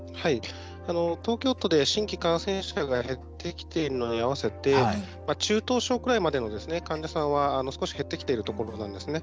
東京都で新規感染者が減ってきているのに合わせて中等症くらいまでの患者さんは少し減ってきてるとこなんですね。